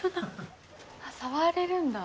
あっ触れるんだ。